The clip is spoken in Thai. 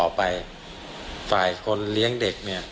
ฝ่ายคนเลี้ยงเด็กเนี่ย